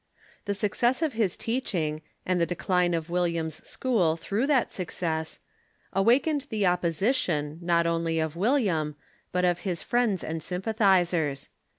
The suc cess of his teaching, and the decline of William's school through that success, awakened the opposition, not only of William, but of his friends and sympathizers.